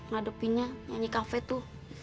ngadepinnya nyanyi kafe tuh